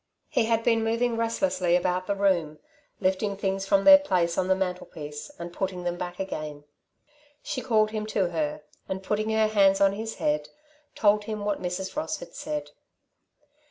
He had been moving restlessly about the room, lifting things from their place on the mantelpiece and putting them back again. She called him to her and, putting her hands on his head, told him what Mrs. Ross had said.